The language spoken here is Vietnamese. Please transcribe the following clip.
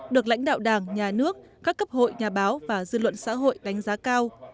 được lãnh đạo đảng nhà nước các cấp hội nhà báo và dư luận xã hội đánh giá cao